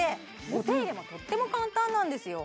お手入れもとっても簡単なんですよ